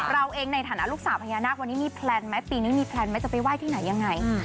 เราเองในฐานะลูกสาวพญานาควันนี้มีแพลนไหมปีนี้มีแพลนไหมจะไปไหว้ที่ไหนยังไง